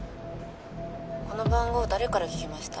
この番号誰から聞きました？